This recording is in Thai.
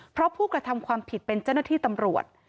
เพราะผู้กระทำความผิดเป็นเจ้าหน้าที่ตำรวจ